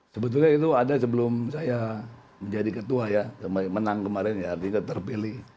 sebetulnya itu ada sebelum saya menjadi ketua ya menang kemarin ya artinya terpilih